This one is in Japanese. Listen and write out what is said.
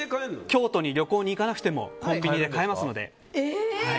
京都に旅行に行かなくてもコンビニで買えますので。